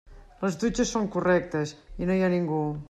Les dutxes són correctes i no hi ha ningú.